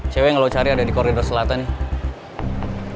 cewek yang lo cari ada di koridor selatan nih